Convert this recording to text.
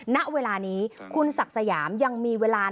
ณเวลานี้คุณศักดิ์สยามยังมีเวลา